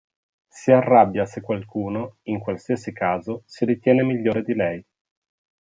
Si arrabbia se qualcuno, in qualsiasi caso, si ritiene migliore di lei.